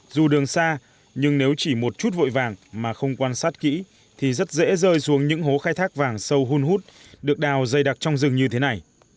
dù đường xa nhưng nếu chỉ một chút vội vàng mà không quan sát kỹ thì rất dễ rơi xuống những hố khai thác vàng sâu hun hút được đào dây đặc trong rừng như thế này